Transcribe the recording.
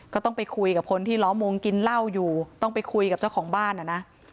ก็ต้องไปคุยกับคนที่ล้อมวงกินเหล้าอยู่ต้องไปคุยกับเจ้าของบ้านอ่ะนะ